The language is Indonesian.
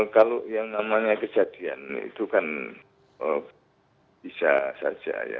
kalau yang namanya kejadian itu kan bisa saja ya